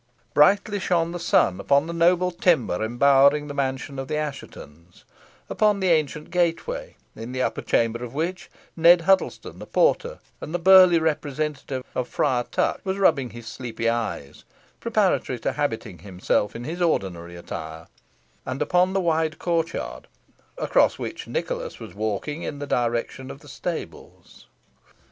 Brightly shone the sun upon the noble timber embowering the mansion of the Asshetons; upon the ancient gateway, in the upper chamber of which Ned Huddlestone, the porter, and the burly representative of Friar Tuck, was rubbing his sleepy eyes, preparatory to habiting himself in his ordinary attire; and upon the wide court yard, across which Nicholas was walking in the direction of the stables.